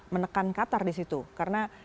menekan qatar disitu karena